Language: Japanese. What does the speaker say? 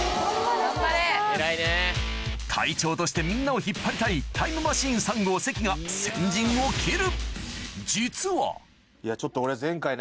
隊長としてみんなを引っ張りたいタイムマシーン３号・関が実はちょっと俺。